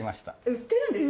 売ってるんですか？